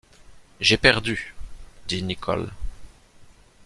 J’ai perdu, dit Nicholl.